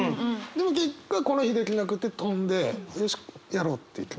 でも結果この日できなくて飛んでよしやろうっていう気持ち。